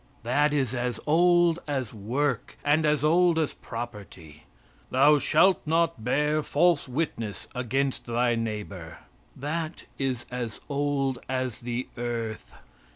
That is as old as work, and as old as property. "Thou shalt not bear false witness against thy neighbor." That is as old as the earth.